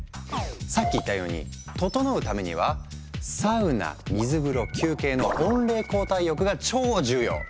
さっき言ったように「ととのう」ためには「サウナ水風呂休憩」の温冷交代浴が超重要！